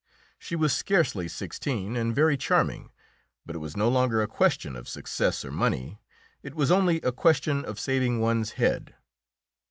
She was scarcely sixteen, and very charming, but it was no longer a question of success or money it was only a question of saving one's head.